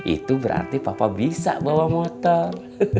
itu berarti papa bisa bawa motor